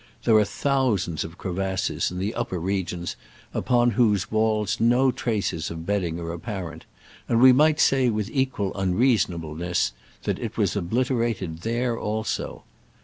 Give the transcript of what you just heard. There are thousands of crevasses in the upper regions upon whose walls no traces of bedding are apparent, and we might say, with equal unreasonableness, that it was obliterated there also.